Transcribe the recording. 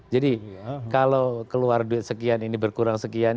jadi kalau keluar duit sekian ini berkurang sekian